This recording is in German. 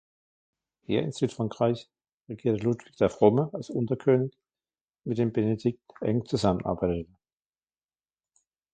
Hier in Südfrankreich regierte Ludwig der Fromme als Unterkönig, mit dem Benedikt eng zusammenarbeitete.